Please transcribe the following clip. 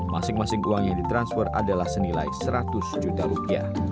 masing masing uang yang ditransfer adalah senilai seratus juta rupiah